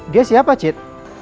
dia siapa cit